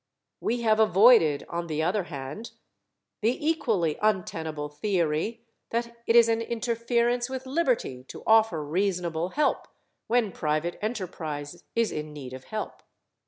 We have avoided on the other hand the equally untenable theory that it is an interference with liberty to offer reasonable help when private enterprise is in need of help.